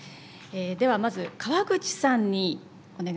ではまず河口さんにお願いいたします。